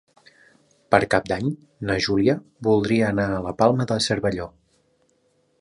Per Cap d'Any na Júlia voldria anar a la Palma de Cervelló.